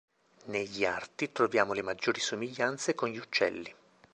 Negli arti troviamo le maggiori somiglianze con gli uccelli.